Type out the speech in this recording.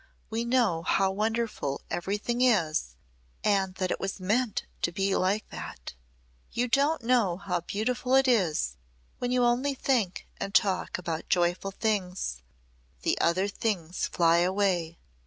We know how wonderful everything is and that it was meant to be like that. You don't know how beautiful it is when you only think and talk about joyful things! The other things fly away.